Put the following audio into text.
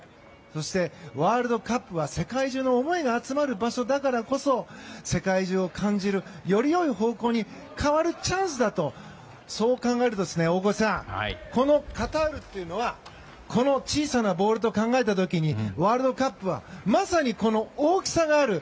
そして、ワールドカップは世界中の思いが集まる場所だからこそ世界中を感じる、より良い方向に変わるチャンスだとそう考えると大越さん、このカタールはこの小さなボールと考えた時にワールドカップはまさにこの大きさがある。